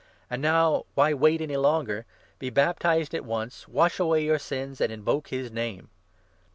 And now why wait any longer? 16 Be baptized at once, wash away your sins, and invoke his Name.